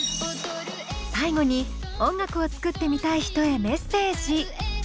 最後に音楽を作ってみたい人へメッセージ。